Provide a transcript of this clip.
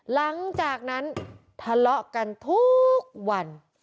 หลังจากนั้นทะเลาะกันทุกวัน